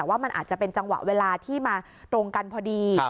ว่ามันอาจจะเป็นจังหวะเวลาที่มาตรงกันพอดี